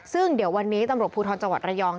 ซึ่งเดี๋ยววันนี้ตำรวจภูทรจังหวัดระยอง